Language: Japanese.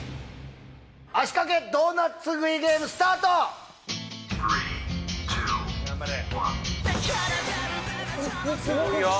足掛けドーナツ食いゲーム、頑張れ。